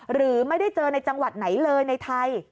หรือไม่ได้เจอในจังหวัดไหนเลยในไทย